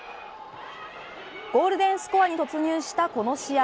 ゴールデンスコアに突入したこの試合。